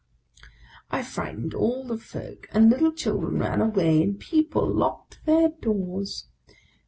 I frightened all the folk, and little children ran away, and people locked their doors.